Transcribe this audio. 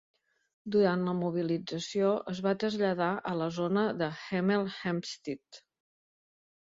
Durant la mobilització, es va traslladar a la zona de Hemel Hempstead.